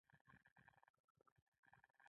• بښنه کول ځان ته احترام دی.